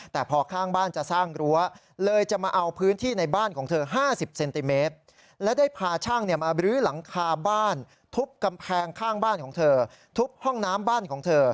ทาบ้านทุบกำแพงข้างบ้านของเธอทุบห้องน้ำบ้านของเธอ